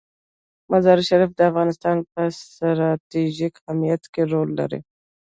مزارشریف د افغانستان په ستراتیژیک اهمیت کې رول لري.